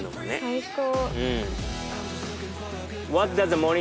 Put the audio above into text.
最高。